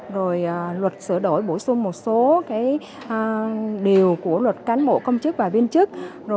rồi luật sửa đổi bổ sung một số điều của luật cán bộ công chức và viên chức